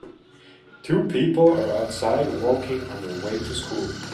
Two people are outside walking on their way to school.